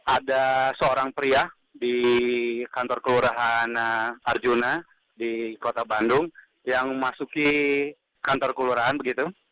ada seorang pria di kantor kelurahan arjuna di kota bandung yang memasuki kantor kelurahan begitu